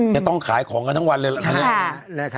จะต้องขายของกันทั้งวันเลยแหละค่ะ